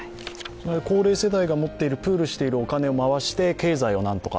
高齢世代がプールしているお金を回して経済を何とか。